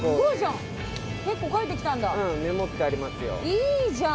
いいじゃん。